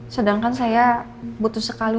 sedangkan saya butuh sekali